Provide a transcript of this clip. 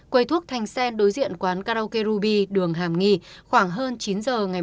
quầy thuốc thành sen đối diện quán karaoke ruby đường hàm nghi khoảng hơn chín giờ ngày mùng ba tháng một mươi một